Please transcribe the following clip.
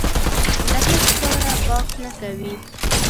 له هېڅ کاره باک نه کوي.